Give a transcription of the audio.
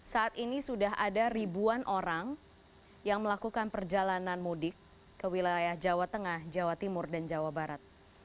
saat ini sudah ada ribuan orang yang melakukan perjalanan mudik ke wilayah jawa tengah jawa timur dan jawa barat